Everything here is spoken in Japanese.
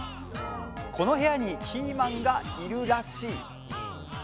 この部屋にキーマンがいるらしい。